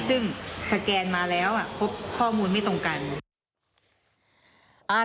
ซึ่งสแกนมาแล้วพบข้อมูลไม่ตรงกัน